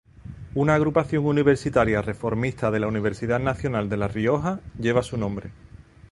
Una agrupación universitaria reformista de la Universidad Nacional de La Rioja, lleva su nombre.